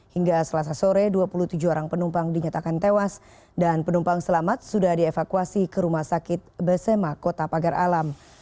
hingga selasa sore dua puluh tujuh orang penumpang dinyatakan tewas dan penumpang selamat sudah dievakuasi ke rumah sakit besema kota pagar alam